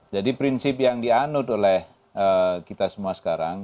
jadi prinsip yang dianud oleh kita semua sekarang